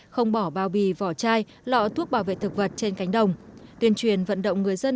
không bỏ bao bì vỏ chai lọ thuốc bảo vệ thực vật trên cánh đồng tuyên truyền vận động người dân